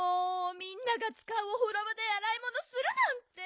みんながつかうおふろばであらいものするなんて！